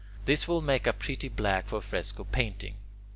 This will make a pretty black for fresco painting.